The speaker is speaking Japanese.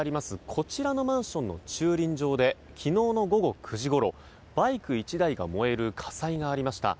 こちらのマンションの駐輪場で昨日の午後９時ごろバイク１台が燃える火災がありました。